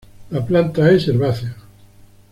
La planta es herbácea.